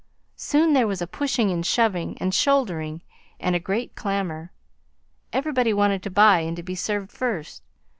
Soon there was a pushing and shoving and shouldering, and a great clamour. Everybody wanted to buy and to be served first.